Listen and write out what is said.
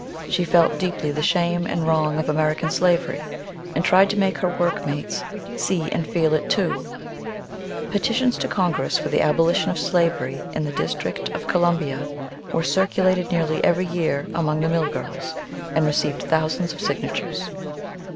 She felt deeply the shame and wrong of American slavery, and tried to make her workmates see and feel it too.(Petitions to Congress for the abolition of slavery in the District of Columbia were circulated nearly every year among the mill girls, and received thousands of signatures.)